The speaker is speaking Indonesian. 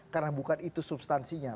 karena bukan itu substansinya